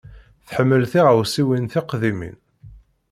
Tḥemmel tiɣawsiwin tiqdimin.